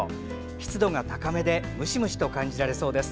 湿度が高めでムシムシと感じられそうです。